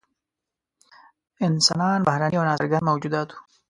انسانان بهرني او نا څرګند موجودات وو.